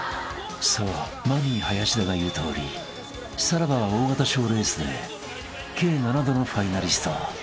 ［そうマミィ林田が言うとおりさらばは大型賞レースで計７度のファイナリスト］